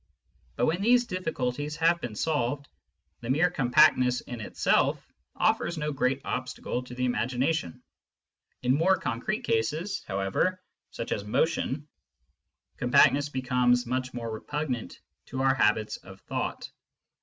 But when these difficulties have been solved, the mere compactness in itself offers no great obstacle to the imagination. In more concrete cases, however, such as motion, compactness becomes much more repugnant to our habits of thought.